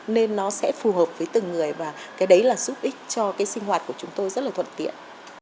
nên nó sẽ phù hợp với từng người và cái đấy là giúp ích cho cái sinh hoạt của chúng tôi rất là thuận tiện